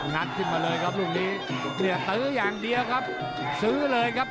ัดขึ้นมาเลยครับลูกนี้เนี่ยตื้ออย่างเดียวครับซื้อเลยครับ